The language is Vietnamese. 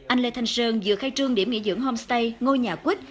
anh lê thanh sơn vừa khai trương điểm nghỉ dưỡng homestay ngôi nhà quýt